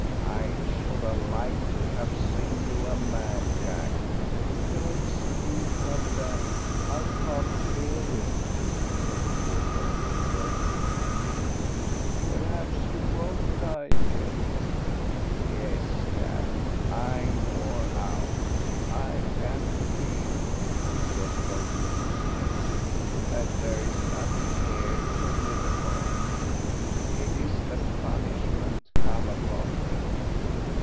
"I should have liked to have seen you a man, Jack." "Don't speak like that I can't bear it," said the poor boy, bursting into tears. "Perhaps you won't die yet." "Yes, Jack; I'm wore out. I can feel," he said, pointing to his chest, "that there is nothing here to live upon.... It is the punishment come upon me."